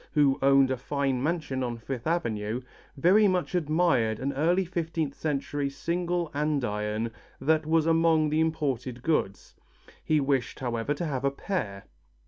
who owned a fine mansion on Fifth Avenue, very much admired an early fifteenth century single andiron that was among the imported goods. He wished, however, to have a pair.